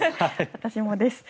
私もです。